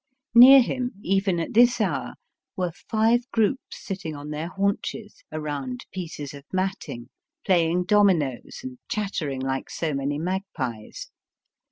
Near him, even at this hour, were five groups sitting on their haunches, around pieces of matting, playing dominoes and chattering like so many magpies.